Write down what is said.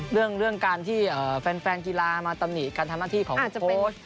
เรื่องการที่แฟนกีฬามาตำหนิการทำหน้าที่ของโค้ช